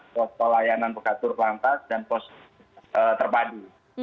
pos pelayanan pengatur lantas dan pos terpadu